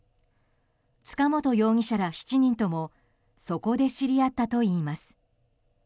塚本容疑者ら７人ともそこで知り合ったといいます。